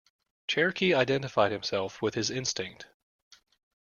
Cherokee identified himself with his instinct.